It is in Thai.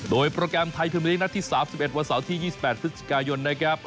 โดยโปรแกรมไทยภูมิลินักที่๓๑วันเสาร์ที่๒๘ศุษยกายนนะครับ